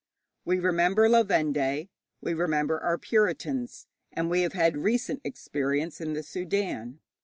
We remember La Vendée, we remember our Puritans, and we have had recent experience in the Soudan.